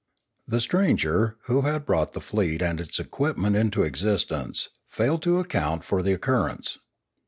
The stranger, who had brought the fleet and its equipment into existence, failed to account for the oc currence.